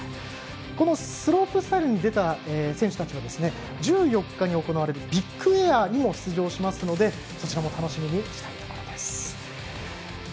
このスロープスタイルに出た選手たちは１４日に行われるビッグエアにも出場しますのでそちらも楽しみにしたいところです。